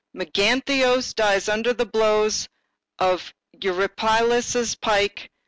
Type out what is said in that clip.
Meganthios dies under the blows of Euripylus' pike.